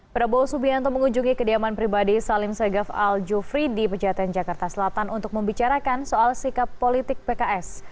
prabowo subianto mengunjungi kediaman pribadi salim segaf al jufri di pejaten jakarta selatan untuk membicarakan soal sikap politik pks